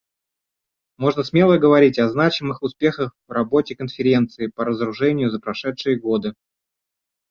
Можно смело говорить о значимых успехах в работе Конференции по разоружению за прошедшие годы.